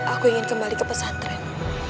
aku ingin kembali ke pesantren